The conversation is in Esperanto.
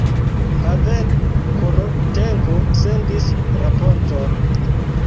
Pavel Korotenko sendis raporton.